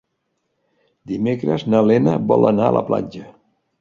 Dimecres na Lena vol anar a la platja.